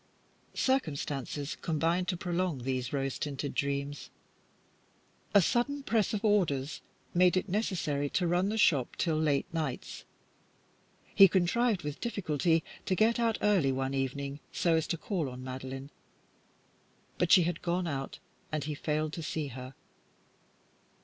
Circumstances combined to prolong these rose tinted dreams. A sudden press of orders made it necessary to run the shop till late nights. He contrived with difficulty to get out early one evening so as to call on Madeline; but she had gone out, and he failed to see her.